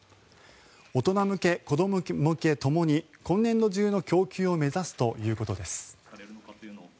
大人向け、子ども向けともに今年度中の供給を目指すということです。